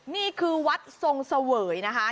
นี่คือวัดทรงเสวยนะคะ